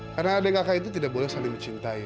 karena adik kakak itu tidak boleh saling mencintai